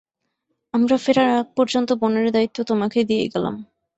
আমরা ফেরার আগ পর্যন্ত বোনের দায়িত্ব তোমাকে দিয়ে গেলাম।